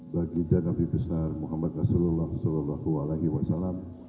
bagi janabid besar muhammad rasulullah saw